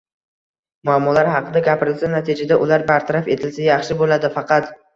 Muammolar haqida gapirilsa, natijada ular bartaraf etilsa, yaxshi bo‘ladi faqat.